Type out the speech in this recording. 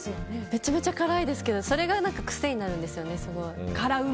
めちゃめちゃ辛いですがそれが、癖になりますね。